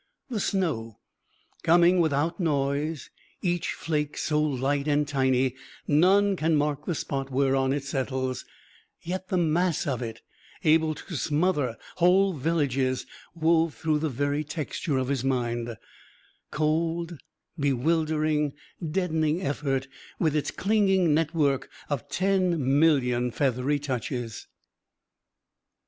The snow, coming without noise, each flake so light and tiny none can mark the spot whereon it settles, yet the mass of it able to smother whole villages, wove through the very texture of his mind cold, bewildering, deadening effort with its clinging network of ten million feathery touches.